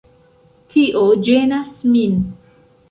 Tio ĝenas min.